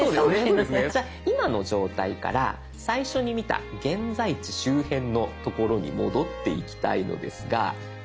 じゃあ今の状態から最初に見た現在地周辺のところに戻っていきたいのですが。